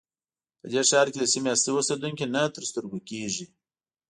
په دې ښار کې د سیمې اصلي اوسېدونکي نه تر سترګو کېږي.